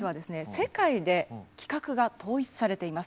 世界で規格が統一されています。